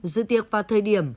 dự tiệc vào thời điểm